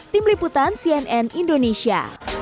tim liputan cnn indonesia